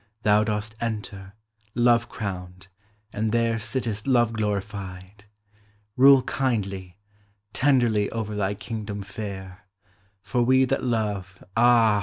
Thou dost enter, love crowned, and there Sittest love glorified !— Rule kindly. Tenderly over thy kingdom fair; For we that love, ah!